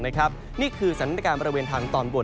นี่คือสถานการณ์บริเวณทางตอนบน